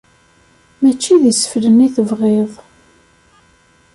Mačči d iseflen i tebɣiḍ.